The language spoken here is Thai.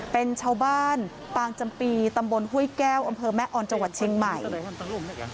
เป็นชาวบ้านปางจำปีตำบลห้วยแก้วอำเภอแม่ออนจังหวัดเชียงใหม่